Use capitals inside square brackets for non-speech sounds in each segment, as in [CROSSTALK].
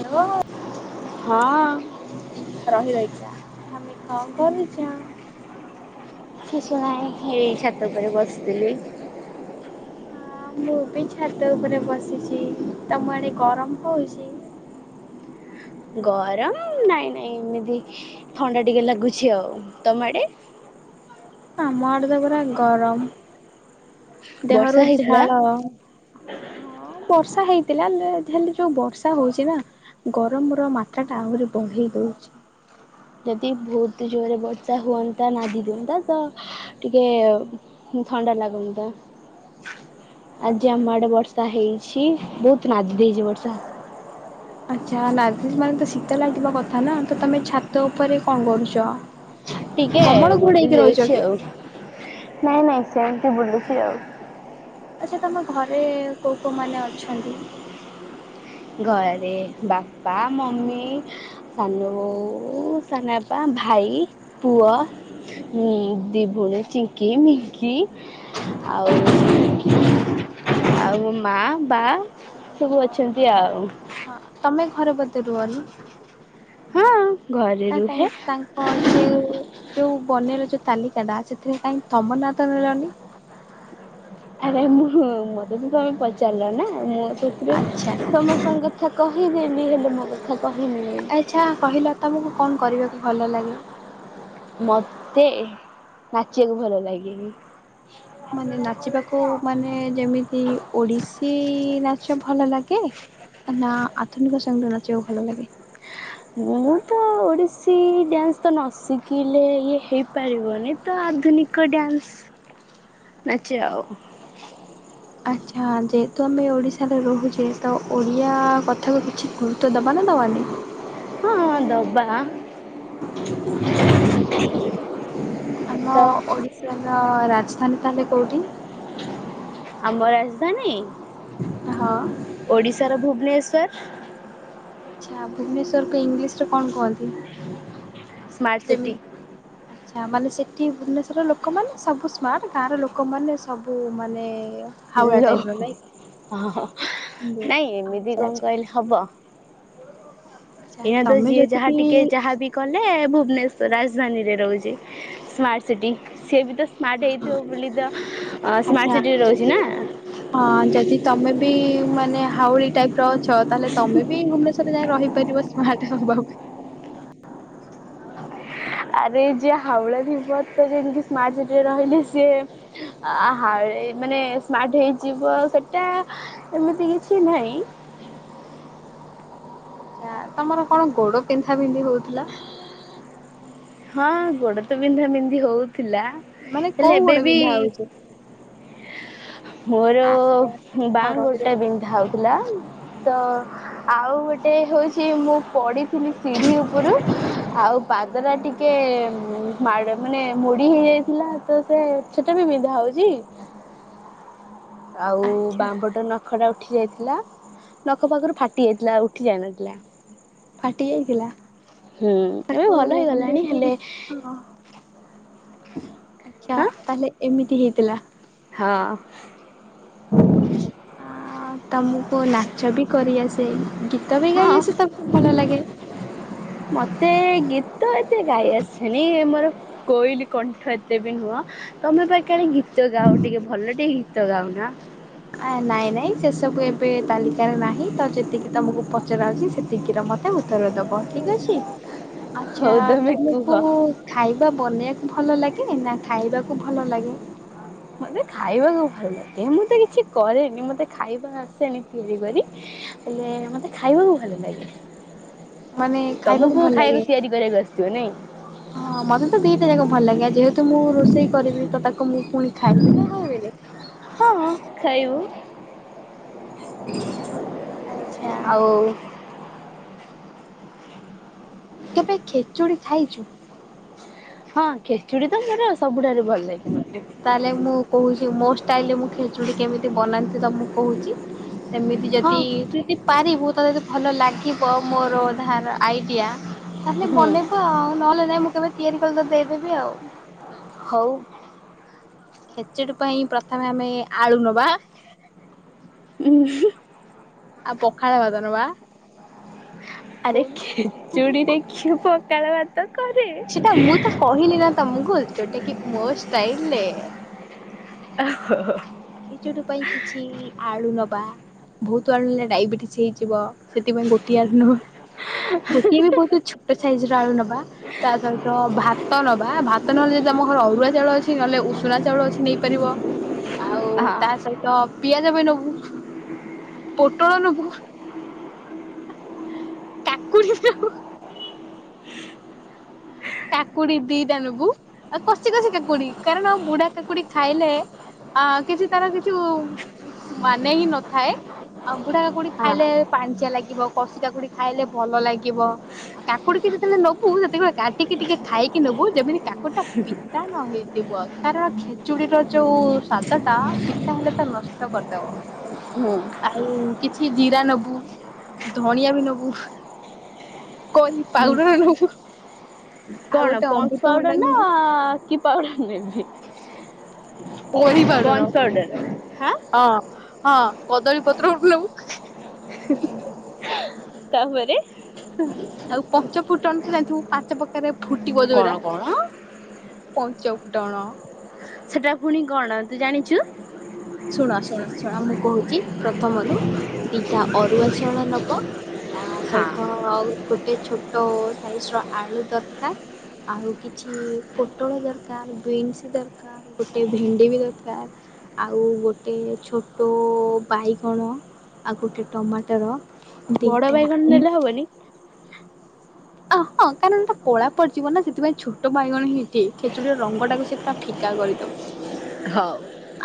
Hello ହଁ ରହି ରହୀ କଣ କରୁଛ? କିଛି ନାହିଁ ଏଇ ଛାତ ଉପରେ ବସିଥିଲି। ହଁ ମୁଁ ବି ଛାତ ଉପରେ ବସିଛି। ତମ ଆଡେ ଗରମ୍ ଗରମ ନାଇଁ ନାଇଁ ଏମିତି ଥଣ୍ଡା ଟିକେ ଲାଗୁଛି ଆଉ ତମ ଆଡେ? [INAUDIBLE] ଆମ ଆଡେ ତ ପୁରା ଗରମ। ବର୍ଷା ଦେହରୁ ହେଇଥିଲା। ଝାଳ ହଁ ବର୍ଷା। ବର୍ଷା ହେଇଥିଲା। ହେଲେ ଯୋଉ ବର୍ଷା ହଉଛି ନା ଗରମ ର ମାତ୍ରା ଟା ଆହୁରି ବଢେଇ ଦଉଛି। ହଁ। ଯଦି ବହୁତ ଜୋରରେ ବର୍ଷା ହୁଅନ୍ତା ନାଦି ଦିଅନ୍ତା ତ ଟିକେ ଥଣ୍ଡା ଲାଗୁନି ତ ଆଜି ଆମ ଆଡେ ବର୍ଷା ହେଇଛି। ବହୁତ ନାଦି ଦେଇଛି ବର୍ଷା। ଆଛା ନାଦିଛି ମାନେ ତ ଶୀତ ଲାଗିବା, କଥା ନା ତ ତମେ ଛାତ ଉପରେ କଣ କରୁଛ? ଟିକେ କମଳ ବୁଲି ଘୋଡେଇକି ରହିଛ ଦେଉଛି କି? ଆଉ ନାଇଁ ନାଇଁ ସେମିତି ବୁଲୁଛି ଆଉ। ଆଚ୍ଛା ତମ ଘରେ କୋଉ କୋଉମାନେ ଅଛନ୍ତି? ଘରେ ବାପା, ମମି, ସାନ ବୋଉ, ସାନ ବାପା। ଭାଇ, ପୁଅ, ଦି ଭଉଣୀ, ଚିଙ୍କି, ମିଙ୍କି ଆଉ ଆଉ ମା ବା, ସବୁ ଅଛନ୍ତି ଆଉ। ହଁ ତମେ ଘରେ କେତେ ଦୂର କୁହନି। ହଁ ଘରେ ନା, ରୁହେ ତାଙ୍କ ଯୁ ଯୋଉ ବନର ଯୋଉ ତାଲିକାଟ ସେଥିରେ, କାହିଁକି ତମନାଟ ମିଳୁନି? ଆରେ, ମୁଁ ମତେ ବି ତମେ ପଚାରିଲ ନା ମୁଁ ସେଥିରୁ ଆଚ୍ଛା ସମସ୍ତଙ୍କ କଥା କହିଦେନି, ହେଲେ ମୋ କଥା କହିଲେ ନି। ଆଚ୍ଛା କହିଲ ତମକୁ କଣ କରିବାକୁ ଭଲ ଲାଗେ? ମତେ ନାଚିବାକୁ ଭଲ ଲାଗେନି? ମାନେ ନାଚିବାକୁ ମାନେ ଯେମିତି ଓଡିଶୀ ନାଚ? ସେ ଭଲ ଲାଗେ, ନା ଆଧୁନିକ ସଙ୍ଗୀତ ନାଚକୁ ଭଲ ଲାଗେ? ମୁଁ ତ ଓଡିଶୀ। କିଛି ଡ୍ୟାନ୍ସ ତ ନ ଶିଖିଲେ, ଇଏ ହେଇପାରିବନି ତ ଆଧୁନିକ ଡ୍ୟାନ୍ସ ନାଚ ଆଉ ଆଚ୍ଛା, ଯେହେତୁ ଆମେ ଓଡିଶାରେ ରହୁଛେ, ତ ଓଡିଆ କଥାକୁ କିଛି ଗୁରୁତ ଦବା ନା ଦେବା [UNINTELLIGIBLE] ହଁ ବାହା ତ ଆମ ଓଡିଶାର ରାଜଧାନୀ ତାହେଲେ କୋଉଠି? ଆମର ରାଜଧାନୀ ହଁ। ଓଡିଶାର ଭୁବନେଶ୍ଵର। ଆଚ୍ଛା, ଭୁବନେଶ୍ୱରକୁ ଇଂଲିଶରେ କଣ କୁହନ୍ତି? ସ୍ମାର୍ଟ୍ ସିଟି ଆଛା, ମାନେ ସେଠି ଭୁବନେଶ୍ୱର ଲୋକମାନେ ସବୁ ସ୍ମାର୍ଟ, ଗାଁର ଲୋକମାନେ ସବୁ ମାନେ ହଉଡା ଲୋ ଟାଇପର ନାଇକି? ନାଇଁ ଏମିତି କଣ ଏହା ଯିଏ ଯଦି ଯାହା ବି ଟିକେ, ହଁ, ଯାହା ବି କଲେ ଭୁ ଭୁବନେଶର ରାଜଧାନୀରେ ରହୁଛି, ସ୍ମାର୍ଟ ସିଟି, ସିଏ ବି ତ ସ୍ମାର୍ଟ ହେଇଥିବ, ବୋଲି ତ ସ୍ମାର୍ଟ ଆଚ୍ଛା ସିଟିରେ ରହୁଛି ଯଦି ନା? ହଁ ଯଦି ତମେ ମାନେ ହାଉଡ଼ି ଟାଇପ ର ଅଛ, ତାହେଲେ ତମେ ବି ଭୁବନେଶ୍ୱରରେ ଯାଇଏ ରହିବ ସ୍ମାର୍ଟ ହେବ ପାଇଁ। ଆରେ ଯିଏ ହାଉଲା ହେଉଥିବ, ତ ସେମିତି ସ୍ମାର୍ଟ ସିଟିରେ ରହିଲେ ସିଏ ହ ମାନେ ସ୍ମାର୍ଟ ହେଇଯିବ, ସେଟା ଏମିତି କିଛି ନାହିଁ। [INAUDIBLE] ଆଛା, ତମର କଣ ଗୋଡ ପିନ୍ଧା ବିିନ୍ଧି ହଉଥିଲା? ହଁ ଗୋଡ ତ ବିନ୍ଧା ବିନ୍ଧି ହଉ ଥିଲା, ମାନେ କୋଉ ହେଲେ ଗୋଡ ଏବେବି। ବିନ୍ଧା ହଉଛି? [UNINTELLIGIBLE] ମୋର ଆସ୍ତେ ଆସ୍ତେ କହ ବାଆଁ ଗୋଡଟା ରହିରହି ବିନ୍ଧା ହଉଥିଲା ତ ଆଉ ଗୋଟେ ଏ ହେଉଛି, ମୁଁ ପଡିଥିଲି ସିଢ଼ି ଉପରୁ ଆଉ ପାଦଟା ଟିକେ [UNINTELLIGIBLE] ମାଡ ମାନେ ମୋଡି ହେ ଇଯାଇଥିଲା ତ, ସେ ସେଟା ବି ବିନ୍ଧା ହଉଛି। ଆଉ ଆଚ୍ଛା ବାଁ ପଟ ନା ନଖଟା ଉଠି ଯାଇଥିଲା, ନଖ ପାଖରୁ ଫାଟି ଯାଇଥିଲା ଉଠି ଯାଇନଥିଲା। ଫାଟି ଯାଇଥିଲା। ହୁଁ ଏବେ ତାକୁ ଭଲ ହେଇଗଲାଣି ହେଲେ [UNINTELLIGIBLE] ହଁ। ଆଛା ହଁ ତାହେଲେ ଏମିତି ହେଇଥିଲା। ହଁ ଆ ତମକୁ ନାଚ ବି କରିଆସେ, ଗୀତ ବି ଗାଇ ହଁ ଆସେ ତମକୁ, ଭଲ ଲାଗେ। ମତେ ଗୀତ, ଏତେ ଗାଇ ଆସନି ମୋର କୋଇଲି କଣ୍ଠ ଏତେ ବି ନୁହଁ, ତମେ କାଳେ ଗୀତ ଗାଅ ଟିକେ ଭଲ ଟିକେ ଗୀତ ଗାଅ। ଆ। [INAUDIBLE] ଆ ନାଇଁ ନାଇଁ ସେ ସବୁ ଏବେ ତାଲିକାରେ ନାହିଁ, ତ ଯେତିକି ତୁମକୁ ପଚାଯାଉଛି ସେତିକିର ମୋତେ ଉତ୍ତର ଦେବ ଠିକ୍ ଅଛି। ଛି ଆଛା ହଉ ତମେ କୁହ। ତମକୁ ଖାଇବା ବନେଇ ଭଲ ଲାଗେ ନା ଖାଇବାକୁ ଭଲ ଲାଗେ। ମତେ ଖାଇବାକୁ ଭଲ ଲାଗେ ମୁଁ ତ କିଛି କରେନି ମତେ ଖାଇବାକୁ ଆସେନି ତିଆରି କରି। ହେଲେ ମତେ ଖାଇବାକୁ ଭଲ ଲାଗେ। ମାନେ ଖାଇବାକୁ ତମକୁ ଭଲ ଲାଗେ ତିଆରି କରିବାକୁ ଆସିଥିବ ନାଇଁ? ହଁ ମତେ ତ ଦିଟା ଯା ଭଲ ଲାଗା ଯେହେତୁ ମୁଁ ରୋଷେଇ କରିବି ତ ତାକୁ ମୁଁ ପୁଣି ଖାଇବି ନା ଖାଇବିନି। ହଁ ଖାଇବୁ। [INAUDIBLE] ଆଉ କେବେ ଖେଚୁଡି ଖାଇଚୁ? ହଁ ଖେଚୁଡି ତ ମୋର ସବୁଠୁରୁ ତାହେଲେ ମୁଁ କହୁଚି ମୋ ଷ୍ଟାଇଲରେ ମୁଁ ଖେଚୁଡି କେମିତି ବନାନ୍ତି ତମକୁ। କହୁଚି ସେମିତି ହଁ ଯଦି ତୁ ଯଦି ପାରିବୁ ତତେ ଯଦି ଭଲ ଲାଗ ପୁ ଆଉ ମୋର ଧାରା ଆଇଡିଆ ତାହେଲେ ହୁଁ ମନେଇବ ଆଉ ନହେଲେ ନାଇ ମୁଁ କେବେ ତିଆରି କଲେ ତତେ ଦେଇଦେବି ଆଉ। ହଉ। ଖେଚେଡି ପାଇଁ ପ୍ରଥମେ ଆମେ ଆଳୁ ନବା ଉଁ ହୁଁ। ଆଉ ପଖାଳ ବାଦ ନବା। [INAUDIBLE] କୁ ଖେଚୁଡିରେ କିଏ ପଖାଳ ଭାତ କରେ? ସେଟା ମୁଁ ତ କହିନି ନା ତମକୁ। ଯୋଉଟା କି ମୋ ଷ୍ଟାଇଲଲେ। ଖେଚଡ ପାଇଁ କିଛି ଆଳୁ ନବା ବହୁତ ଆଳୁ ନେଲେ ଡାଇବେଟିସ୍ ହେଇଯିବ ସେଥିପାଇଁ ଗୋଟିଏ ଆଳୁ ନବା। [INAUDIBLE] ଗୋଟିଏ ବି ବହୁତ ଛୋଟ ସାଇଜି ର ଆଳୁ ନବା ତା ସହିତ ଭାତ ନବା ଭାତ ନହେଲେ ଯଦି ଆମର ଅରୁଆ ଚାଉଳ ଅଛି ନହେଲେ ଉଷୁନା ଚାଉଳ ଅଛି ନେଇପାରିବ। ଆଉ ହଁ ତା ସହିତ ପିଆଜ ବି ନବୁ। ପୋଟଳ ନବୁ କାକୁଡ଼ି ନବୁ। [INAUDIBLE] କାକୁଡି ଦିଟା ନବୁ ଆଉ କସିି କସିି କାକୁଡି କାରଣ ବୁଢା କାକୁଡି ଖାଇଲେ ଆ କିଛି ତାର କିଛି ଉ ମାନେ ହିଁ ନଥାଏ। ବୁଢ଼ା କାକୁଡ଼ି ହଁ ଖାଇଲେ ପାଣିଚିଆ ଲାଗେ। ବ କଷି କାକୁଡି ଖାଇଲେ ଭଲ ଲାଗିବ ଆଉ କାକୁଡି ଯେତେବେଳେ ନବୁ ସେତେବେଳେ ଟିକେ ଟିକେ ଖାଇକି ନେବୁ ଯେମିତି କାକୁଡି ଟା ପିତା ନ ହେଇଥିବ କାରଣ ଖେଚୁଡ଼ିର ଯଉ ସାଜାତା ପିତା ହେଲେ ତ ନଷ୍ଟ କରିଦବ। ହୁଁ ଆଉ କିଛି ଜିରା ନବୁ ଧଣିଆ ବି ନବୁ। କରି ହୁଁ ପାଉଡର ନବୁ। ଆଉ କଣ ଗୋଟେ ପନ୍‌ସ ପାଉଡର ଅମୃତଭଣ୍ଡା ନା ନବୁ କି ପାଉଡର ନେବି? ପରିବାରର ପଣ୍ଡସ୍ ପାଉଡର ହାଁ ହଁ ହଁ। କଦଳୀ ପତ୍ର ଗୋଟେ ନବୁ। ତାପରେ ଆଉ ପଞ୍ଚ ଫୁଟଣ ତ ଜାଣି ଥିବୁ ପାଞ୍ଚ ପ୍ରକାରେ ଫୁଟିବ କଣ ଯୋରା। କଣ ପଞ୍ଚ ଫୁଟଣ ସେଟା ପୁଣି କଣ ତୁ ଜାଣିଚୁ? ଶୁଣ ଶୁଣ ଶୁଣ ମୁଁ କହୁଛି ପ୍ରଥମରୁ ଦିଟା ଅରୁଆ ଚାଉଳ ନବ ତା ହଁ ସହିତ ଆଉ ଗୋଟେ ଛୋଟ ସାଇଜ ର ଆଳୁ ଦରକାର ଆଉ କିଛି ପୋଟଳ ଦରକାର, ବିନ୍ସ ଦରକାର, ଗୋଟେ ଭେ ଣ୍ଡି ବି ଦରକାର ଆଉ ଗୋଟେ ଛୋଟ ବାଇଗଣ। ଆଉ ଗୋଟେ ଟମାଟର ବଡ ଦିଟା ବାଇଗଣ ଉଁ ନେଲେ ହବନି? ଅ ହଁ କାରଣ ଏଟା କଳା ପଡିଯିବ ନା ସେଥିପାଇଁ ଛୋଟ ବାଇଗଣ ହିଁ ଠିକ ଖେଚୁଡିର ରଙ୍ଗ ଟାକୁ ସେ ଫିକ କା କରିଦବ ହଉ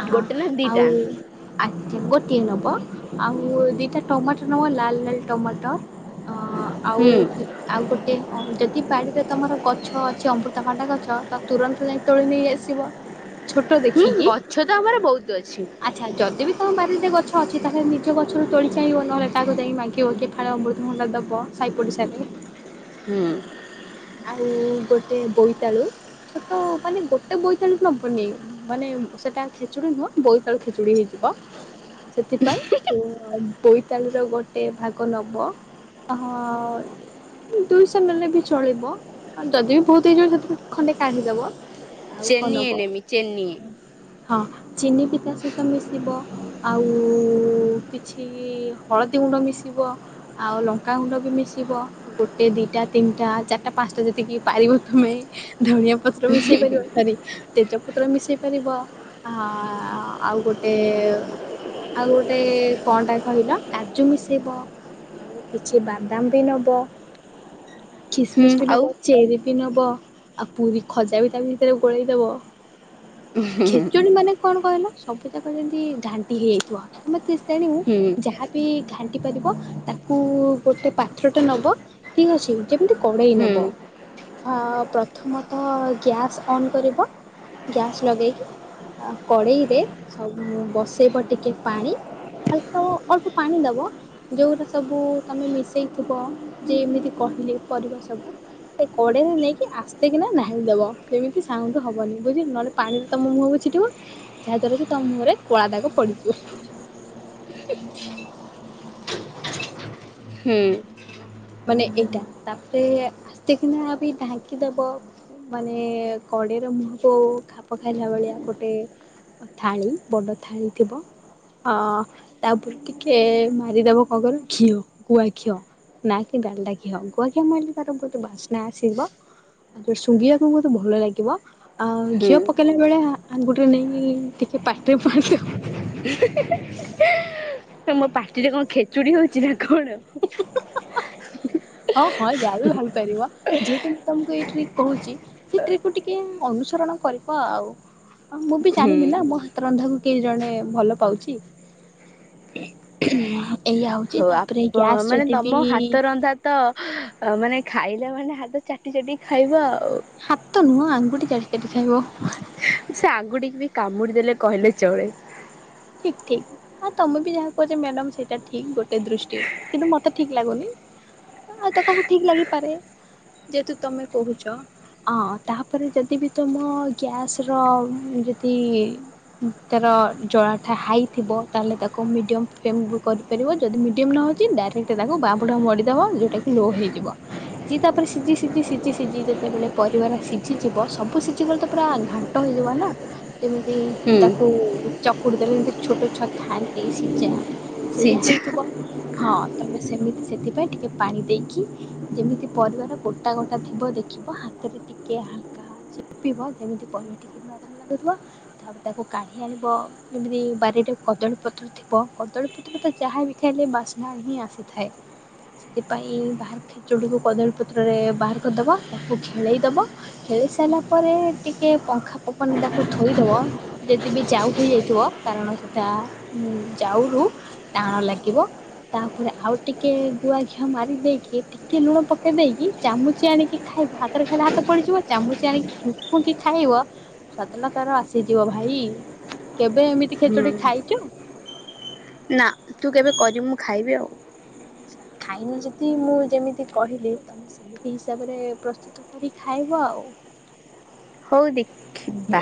ଆ ଗୋଟେ ନା ଆଉ ଦିଟା? ଆଜି ଗୋ ଟେ ନବ ଆଉ ଦିଟା ଟମାଟୋ ନବ ଲାଲ ଲାଲ ଟମାଟ ଅ ଆଉ ହୁଁ ତି ଆଉ ଗୋଟେ ଅ ଯଦି ବାଡିରେ ତମର ଗଛ ଅଛି ଅମୃତଭଣ୍ଡା ଗଛ ତ ତୁରନ୍ତ ଯାଇ ତୋଳେ ନେଇ ଆସି ଆସିବ ଛୋଟ ହୁଁ ଦେଖିକି ଗଛ ତ ଆମର ବହୁତ ଅଛି। ଆଛା ଯଦି ବି ତମ ବାରିରେ ଗଛ ଅଛି ତାହେଲେ ନିଜ ଗଛରୁ ତୋଳିକି ଆଣିବ ନହେଲେ କାକୁ ଯାଇକି ମାଗିବ କିଏ ଫାଳେ ଅମୃତଭଣ୍ଡା ଦବ। ସାଇ ପଡିସାରେ। ହୁଁ। ଆଉ ଗୋଟେ ବୋଇତାଳୁ ଛୋଟ ମାନେ ଗୋଟେ ବୋଇତାଳୁ ନବନି ମାନେ ସେଟା ଖେଚୁଡି ନୁହଁ ବୋଇତାଳୁ ଖେଚୁଡି ହେଇଯିବ। କ ସେଥିପାଇଁ ବୋଇତାଳୁ ର ଗୋଟେ ଭାଗ ନବ। ଆହା ଦୁଇଶହ ନେଲେ ବି ଚଳିବ। ବ ଯଦି ବି ବୋହୁତ ହେଇଯିବ ସେଥିରୁ ଖଣ୍ଡେ କାଢି ଦବ। ଆଉ କଣ ଚେନିଏ ନବ? ନେମି ଚେନିଏ ହଁ ଚିନି ପିତା ସହିତ ମିଶିବ ଆଉ କିଛି ହଳଦୀ ଗୁ ଗୁଣ୍ଡ ମିଶିବ ଆଉ ଲଙ୍କା ଗୁଣ୍ଡା ବି ମିଶିବ ଗୋଟେ ଦିଇଟା ତିନି ଟା ଚାର ଟା ପାଞ୍ଚଟା ଯେତିକି ପାରିବ ତମେ ଧଣିଆ ପତ୍ର ମିଶେଇ ପାରିବ ତେଜପତ୍ର ମିଶେଇ ପାରିବ ଆ ଆଉ ଗୋଟେ ଆଉ ଗୋଟେ କଣ ଟା କହିଲ କାଜୁ ମିଶେଇବ। ଆଉ କିଛି ବାଦାମ ବି ନବ ଆ ହୁଁ ଖିସମିସ ବି ଆଉ ନବ ଚେରି ବି ନବ ଆଉ ପୁରୀ ଖଜା ବି ତା ଭିତରେ ଗୋଳେଇ ଦେବ। ଖେଚୁଡି ମାନେ କଣ କହିଲ? ସବୁ ଯାକ ଯେମିତି ଘାଣ୍ଟି ହେଇଯାଇଥିବ, ତମ ତେ ତେଣିବୁ ହୁଁ ଯାହା ବି ଘାଣ୍ଟି ପାରିବ ତାକୁ ଗୋଟେ ପାତ୍ରଟେ ନବ ଠିକ ଅଛି। ଯେମିତି କଡେଇ ହୁଁ ନବ। ବ ଆଁ ପ୍ରଥମତଃ ଗ୍ୟାସ୍ ଅନ କରିବ। ଗ୍ୟାସ୍ ଲଗେଇକି ଆ କଡ଼େଇରେ ସବୁ ବସେଇବ ଟିକେ ପାଣି ହାଲକା ଓ ଅଳ୍ପ ପାଣି ଦବ ଯୋଉରା ସବୁ ତମେ ମିଶେଇଥିବ ଯେ ଏମିତି କ ଏ ପରିବା ସବୁ। ସେ କଡେଇରେ ନେଇକି ଆସ୍ତେ କିିନା ଢାଳି ଦବ ଯେମିତି ସାଉଣ୍ଡ ହବନି ବୁଝିଲ ନହେଲେ ପାଣିରେ ତମ ମୁହଁ ମୁହଁକୁ ଛିଟିକି ବ ଯାହା ଦ୍ଵାରା କି ତମ ମୁହଁରେ କଳା ଦାଗକପଡିଯିବ। [UNINTELLIGIBLE] [INAUDIBLE] ହୁଁ। ମାନେ ଏଇଟା ତାପରେ ଆସ୍ତେ କିନା ବି ଢାଙ୍କି ଦବ। ମାନେ କଡେଇର ମୁହଁକୁ ଖାପ ଖାଇଲା ଭଳିଆ ଗୋଟେ ଥାଳି ବଡ଼ ଥାଳି ଥିବ। ହଁ ତାପରେ ଟିକେ ମାରିଦବ କଣ କହିଲ ଘିଅ ଗୁଆ ଘିଅ। ନା କି ଡ଼ାଲଟା ଘିଅ ଗୁଆ ଘିଅ ମିଲଳେ ତାର ବୋହୁତ ବାସ୍ନା ଆସିବ। ଆଉ ସୁଙ୍ଗିବାକୁ ମତେ ଭଲ ଲାଗିବ। ଆଁ ଘିଅ ହୁଁ ପକେଇଲା ବେଳେ ଆଙ୍ଗୁଟି ରେ ନେଇକି ଟିକେ ପାଟିରେ ପୁରେଇ ଦବ [INAUDIBLE] ମୋ ପାଟିରେ କଣ ଖେଚୁଡି ହୋଉଚି ନା କଣ? ହଁ ହଁ ଯାହା ବି ଭାବି ପାରିବ ଯେହେତୁ ମୁଁ ତମକୁ ଏଇ ଟ୍ରିକ୍ କୋହୁଚି ସେଥି୍ରକୁ ଟିକେ ଅନୁସରଣ କରିବ ଆଉ। ହଁ ମୁଁ ବି ହୁଁ ଜାଣିବି ନା ମୋ ହାତ ରନ୍ଧାକୁ କେହି ଜଣେ ଭଲ ପାଉଚି। ହୋଉ ଆପ୍ ମାନେ ତମ ହାତ ରନ୍ଧା ତ ଅ ମାନେ ଖାଇଲା ମାନେ ହାତ ଚାଟି ଚାଟିି ଖାଇବ ଆଉ। ହାତ ତ ନୁହଁ ଆଙ୍ଗୁଠି ଚାଟି ଚାଟି ଖାଇବ। ସେ ଆଙ୍ଗୁଟି କି ବି କାମୁଡି ଦେଲେ କହିଲେ ଚଳେ। ଠିକ୍ ଠିକ୍। ଆଉ ତମେ ବି ଯାହା କହୁଛ ମ୍ୟାଡାମ୍ ସେଇଟା ଠିକ ଗୋଟେ ଦୃଷ୍ଟିରେ କିନ୍ତୁ ମତେ ଠିକ୍ ଲାଗୁନି। ଆଉ ତ କାହାକୁ ଠିକ୍ ଲାଗିପାରେ ଯେହେତୁ ତମେ କହୁଛ। ହଁ ତାପରେ ଯଦି ବି ତୁମ ଗ୍ୟାସ୍ ଯଦି ତର ହଁ ଜଳା ହାଇ ଥିବ ତାହାଲେ ତାକୁ ମିଡ଼ିଅମ୍ ଫେମ୍ ଵି କରିପାରିବ ଯଦି ମିଡ଼ିଅମ୍ ନହୋଉଛି ଡାଇରେକ୍ଟ ତାକୁ ବାଆଁ ମୋଡ଼ି ଦବ ଯୋଉଟା କି ଲୋ ହେଇଯିବ ସେ ତାପରେ ସିଛି ସିଛି ସିଛି ସିଛି ଯେତେବେଲେ ପରିବା ଟା ସିଛି ଯିବ ଥିବା ସବୁ ସିଝିଗଲେ ତ ପୁରା ଘାଣ୍ଟ ହେଇଯିବ ନା। ଯେମିତି ହୁଁ ତାକୁ ଚକୁଡି ଦେଲେ ଯେମିତି ଛୋଟ ଛୁଆ ଖଆନ୍ତି ସିଜା ସେଇୟା ସିଝା। ହେଇଛି ପ ହଁ ତମେ ସେମିତି ସେଥିପାଇଁ ଟିକେ ପାଣି ଦେଇକି ଯେମିତି ପରିବାର ଗୋଟା ଗୋଟା ଥିବ ଦେଖି ହାତରେ ଟିକେ ହାଲକା ଚୀପିବ ଯେମିତି ପରିବା ଟିକେ ନରମ ଲାଗୁିବ ତାପରେ ତାକୁ କାଢ଼ି ଆଣିବ। ଯେମିତି ବାରିରେ କଦଳୀପତ୍ର ଥିବ କଦଳୀପତ୍ର ତ ଯାହା ବି ଖାଇଲେ ବାସ୍ନା ହିଁ ଆସିଥାଏ। ସେଥିପାଇଁ ବାହାର ଖେଚୁକୁ କଦଳୀ ପତ୍ରରେ ବାହାର କରିଦବ ତାକୁ ଖେଳେଇଦବ ଖେଳେଇ ଖେଳେଇ ସାରିଲା ପରେ ଟିକେ ପଙ୍ଖା ପଵନେ ତାକୁ ଧଥୋଇଦବ ଯଦି ବି ଯାଉ ହେଇ ଯାଇ ଥିବ କାରଣ ସେଟା ଯାଉରୁ ଟାଣ ଲାଗିବ। ତାପରେ ଆଉ ଟିକେ ଗୁଆ ଘିଅ ମାରି ଦେଇକି ଟିକେ ଲୁଣ ପକେଇ ଦେଇକି ଚାମୁଚି ଆଣିକି ଖାଇ ଖାଇ ହାତରେ ଖାଇଲେ ହାତ ପଡିଯିବ ଚାମୁଚି ଆଣି ଫୁଣ୍ ଖାଇବ ସତଲ ତାର ଆସିଯିବ ଭାଇ କି କେବେ ଏମିତି ହୁଁ। ଖେଚଡି ଖାଇଚୁ ନା ତୁ କେବେ କରିବୁ ମୁଁ ଖାଇବି ଆଉ ଆଛା ଖାଇନ ଯଦି ମୁଁ ଯେମିତି କହିଲି ତମେ ସେମିତି ହିସାବରେ ପ୍ରସ୍ତୁତ କରି ଖାଇବ ଆଉ [INAUDIBLE] ହଉ ଦେଖିବା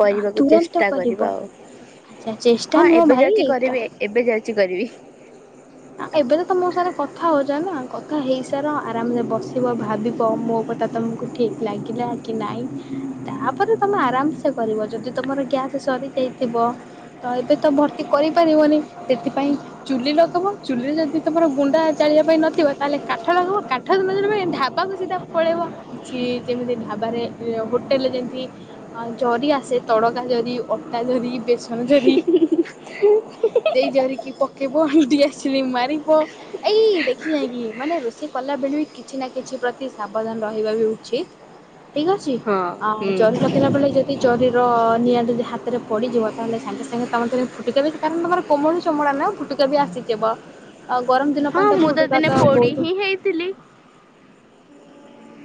କରିବାକୁ ତୁରନ୍ତ ଚେଷ୍ଟା କରିବ କରିବା ଆଉ ଆଚ୍ଛା ଚେଷ୍ଟା ହଁ ନୁହଁ ଏବେ ଯାଉଛି ଭାଇ କରିବି ଏବେ ଯାଉଛି କରିବି। ଏବେ ତ ତ ମୋ ସାଙ୍ଗ କଥା ହେଉଛ ନା କଥା ହେଇସାର ଆରାମସେ ବସିବ ଭାବିବ ମୋ କଥା ତ ଠିକ ଲାଗିଲା କି ନାଇଁ ତାପରେ ତମେ ଆରାମସେ କରିବ ଯଦି ତମର ଗ୍ୟାସ ସରି ଯାଇଥିବ ତ ଏବେ ତ ଭର୍ତ୍ତି କରିପାରିବନି ସେଥିପାଇଁ ଚୁଲି ଲଗେଇବ। ଚୁଲିରେ ଯଦି ତମର ଗୁଣ୍ଡା ଚାଳିବା ପାଇଁ ନଥିବ ତାହେଲେ କାଠ ଲାଗିବ କାଠ ଢାବା ସିଧା ପଳେଇବ। କିଛି ଯେମିତି ଢାବାରେ ହୋଟେଲରେ ଯେମିତି ଜରି ଆସେ ତଡକା ଜରି ଅଟା ଯରି ବେସନ ଯରି [INAUDIBLE] ସେଇ ଜରିକି ପକେଇବ ଡିଆ ମାରିବ। ଏଇ ଦେଖି ଯାଇ ଚାହିକିି ମାନେ ରୋଷେଇ କଲା ବେଳେବି କିଛି ନା କିଛି ପ୍ରତି ସାବଧାନ ରହିବା ବି ଉଚିତ। ଠିକ୍ ଅଛି। ହଁ ଆଁ ହୁଁ ଜରି ପକେଇଲା ବେଳେ ଯଦି ଜରିର ନିଆଁ ଯଦି ହାତରେ ପଡିଯିବ ତାହେଲେ ସାଙ୍ଗେ ସାଙ୍ଗେ ତମ ଫୁଟିକା ବି କାରଣ ତମର କୋମଳ ଚମଡା ନ ଫୁଟିକା ବି ଆସିଯିବ ଆ ଗରମ ଦିନ ହଁ ମାନେ ତ ମୁଁ ଫୁଟୁକା ଦିନେ ତ ପୋଡି ବହୁତ ହିଁ ହେଇଥିଲି।